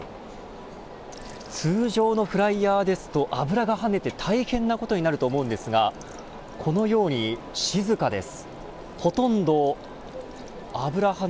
通常のフライヤーですと油がはねて大変なことになると思うんですがこのように静かです。